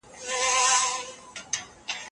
که ماشین سم کار ونکړي نو د ساتنې متخصص ته زنګ ووهئ.